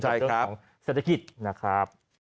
เรื่องของเศรษฐกิจนะครับ